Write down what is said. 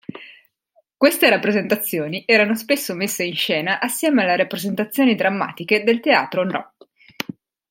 Queste rappresentazioni erano spesso messe in scena assieme alle rappresentazioni drammatiche del teatro nō.